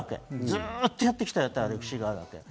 ずっとやってきた歴史があるわけ。